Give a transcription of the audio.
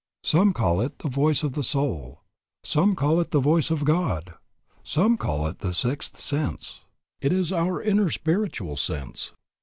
Some call it the voice of the soul; some call it the voice of God; some call it the sixth sense. It is our inner spiritual sense.